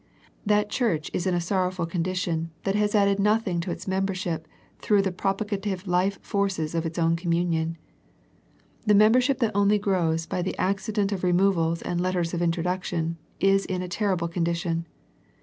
That church is in a sorrowful condition that has added nothing to its membership through the propagative life forces of its own communion. The member ship that only grows by the accident of re movals and letters of introduction is in a ter rible condition.